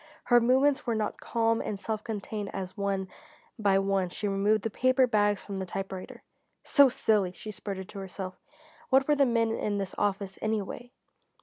Her movements were not calm and self contained as one by one she removed the paper bags from her typewriter. "So silly!" she sputtered to herself. What were the men in this office, anyway?